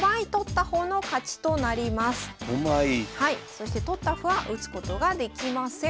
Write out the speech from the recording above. そして取った歩は打つことができません。